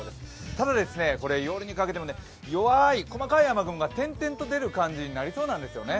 ただ、夜にかけて弱い細かい雨雲が点々と出る感じになりそうなんですよね。